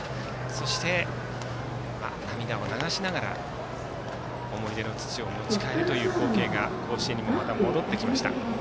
そして、涙を流しながら思い出の土を持ち帰るという光景が甲子園にもまた戻ってきました。